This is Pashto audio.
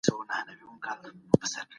دوی د سولي له پاره هلي ځلي کړې وي.